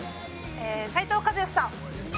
斉藤和義さん。